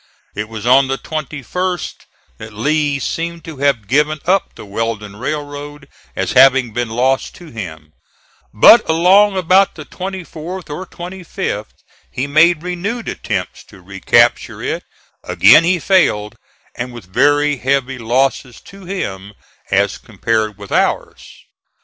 It was on the 21st that Lee seemed to have given up the Weldon Railroad as having been lost to him; but along about the 24th or 25th he made renewed attempts to recapture it; again he failed and with very heavy losses to him as compared with ours.